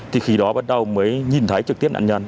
thì khi đó bắt đầu mới nhìn thấy trực tiếp nạn nhân